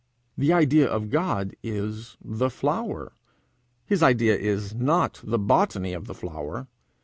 The idea of God is the flower; his idea is not the botany of the flower.